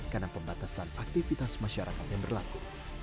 karena pembatasan aktivitas masyarakat yang berlaku